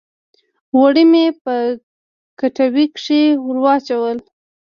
غوړي مې په کټوۍ کښې ور واچول